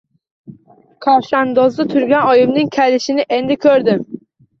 Kavshandozda turgan oyimning kalishini endi ko‘rdim.